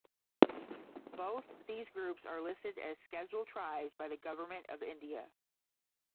Both these groups are listed as Scheduled Tribes by the Government of India.